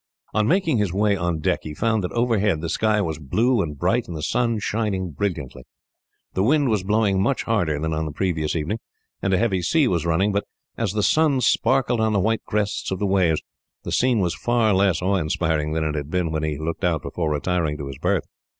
On making his way on deck, he found that overhead the sky was blue and bright, and the sun shining brilliantly. The wind was blowing much harder than on the previous evening, and a heavy sea was running; but as the sun sparkled on the white crests of the waves, the scene was far less awe inspiring than it had been when he looked out before retiring to his berth.